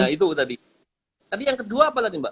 itu tadi tapi yang kedua apa tadi mbak